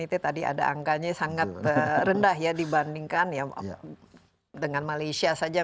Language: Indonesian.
itu tadi ada angkanya sangat rendah ya dibandingkan ya dengan malaysia saja